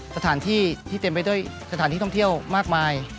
สถานที่ที่เต็มไปด้วยสถานที่ท่องเที่ยวมากมาย